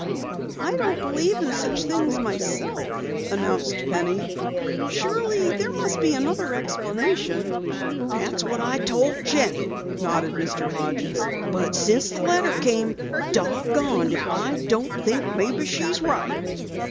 "I don't believe in such things myself," announced Penny. "Surely there must be another explanation." "That's what I told Jenny," nodded Mr. Hodges. "But since the letter came, doggoned if I don't think maybe she's right."